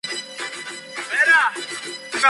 Otra versión